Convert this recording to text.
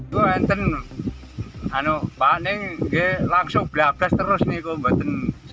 langsung berlapas terus nih kum buatan